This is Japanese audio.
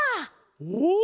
お！